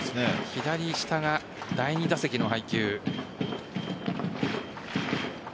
左下が第２打席の配球。